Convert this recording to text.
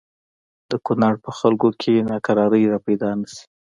د کونړ په خلکو کې ناکراری را پیدا نه شي.